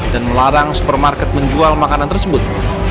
dan melarang supermarket menjual makanan tersebut